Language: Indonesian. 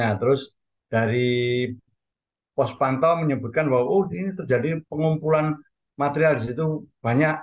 nah terus dari pos pantau menyebutkan bahwa ini terjadi pengumpulan material disitu banyak